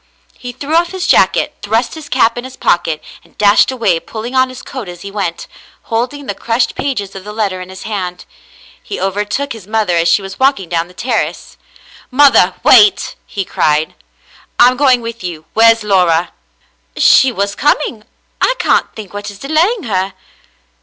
He threw off his jacket, thrust his cap in his pocket, and dashed away, pulling on his coat as he went, holding the crushed pages of the letter in his hand. He overtook his mother as she was walking down the terrace. " Mother, wait," he cried, "I'm going with you, Where's Laura ?" "She was coming. I can't think what is delaying her."